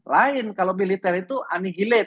lain kalau militer itu anihilat